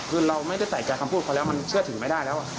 คือเราไม่ได้ใส่ใจคำพูดเขาแล้วมันเชื่อถือไม่ได้แล้ว